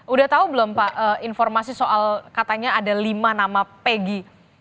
udah tahu belum pak informasi soal katanya ada lima nama pegi